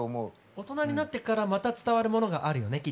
大人になってからまた伝わるものがあるよねきっとね。